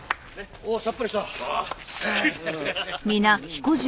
おさっぱりした。